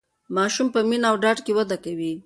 ماسوم په مینه او ډاډ کې وده کوي.